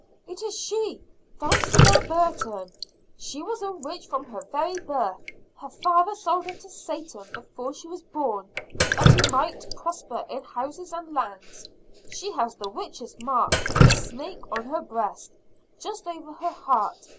"It is she, Dulcibel Burton. She was a witch from her very birth. Her father sold her to Satan before she was born, that he might prosper in houses and lands. She has the witch's mark a snake on her breast, just over her heart.